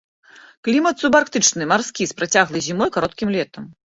Клімат субарктычны, марскі, з працяглай зімой і кароткім летам.